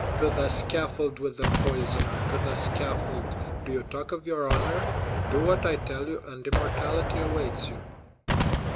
To the scaffold with the poisoner—to the scaffold! Do you talk of your honor? Do what I tell you, and immortality awaits you!"